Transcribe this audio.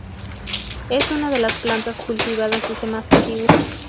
Es una de las plantas cultivadas desde más antiguo.